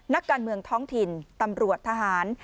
นักการเมืองท้องถิ่นตำรวจทหาร